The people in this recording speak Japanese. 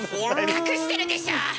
隠してるでしょ！